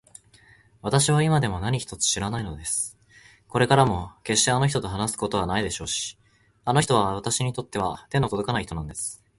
わたしは今でも何一つ知らないのです。これからもけっしてあの人と話すことはないでしょうし、あの人はわたしにとっては手のとどかない人なんです。